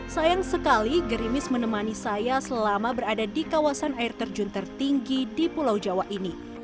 sayang sekali gerimis menemani saya selama berada di kawasan air terjun tertinggi di pulau jawa ini